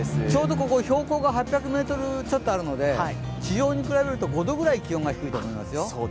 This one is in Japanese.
ここ、標高が８００ｍくらいあるので地上に比べると５度くらい気温が低いと思いますよ。